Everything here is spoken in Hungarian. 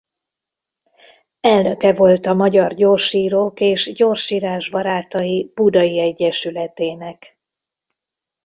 Elnöke volt a Magyar Gyorsírók és Gyorsírás Barátai Budai Egyesületének.